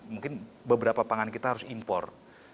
mungkin beberapa pangan kita harus impor